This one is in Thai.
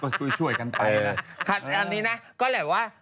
ก็ช่วยช่วยกันไป